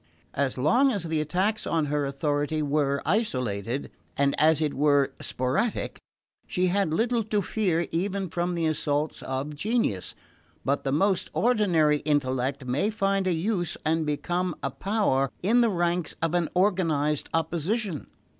As long as the attacks on her authority were isolated, and as it were sporadic, she had little to fear even from the assaults of genius; but the most ordinary intellect may find a use and become a power in the ranks of an organised opposition.